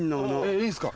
いいんすか。